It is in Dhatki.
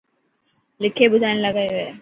لکي ٻڌائڻ لاءِ ڪيو هي.